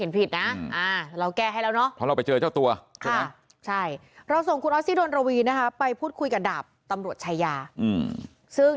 แป้งเขียนผิดนะแป้ง